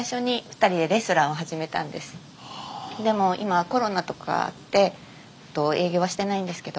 でも今コロナとかあって営業はしてないんですけど。